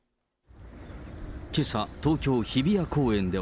けさ、東京・日比谷公園では。